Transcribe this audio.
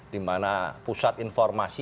dimana pusat informasi